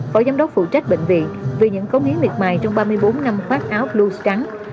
phó giám đốc phụ trách bệnh viện vì những cống hiến miệt mài trong ba mươi bốn năm phát áo blue trắng